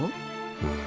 うん。